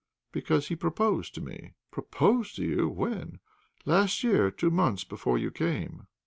"Because he proposed to me." "Proposed to you! When?" "Last year, two months before you came."